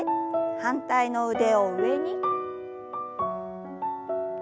反対の腕を上に。